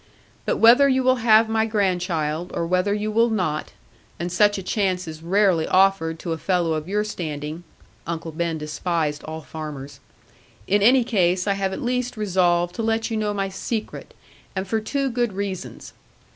But whether you will have my grandchild, or whether you will not and such a chance is rarely offered to a fellow of your standing' Uncle Ben despised all farmers 'in any case I have at least resolved to let you know my secret; and for two good reasons.